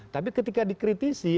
tapi ketika dikritisi